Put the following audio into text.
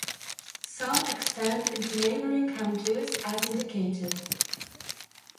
Some extend into neighboring counties, as indicated.